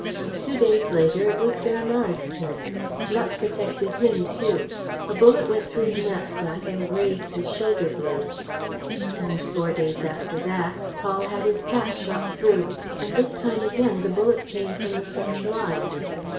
Two days later, it was Bernard's turn. Luck protected him, too. A bullet went through his knapsack and grazed his shoulder blade. And, four days after that, Paul had his cap shot through: and, this time again, the bullet came from the French lines.